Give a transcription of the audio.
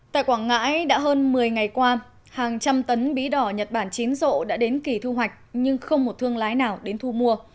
tại quảng ngãi đã hơn một mươi ngày qua hàng trăm tấn bí đỏ nhật bản chín rộ đã đến kỳ thu hoạch nhưng không một thương lái nào đến thu mua